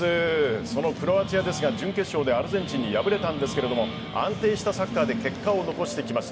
そのクロアチアですが準決勝でアルゼンチンに敗れましたが安定したサッカーで結果を残してきました。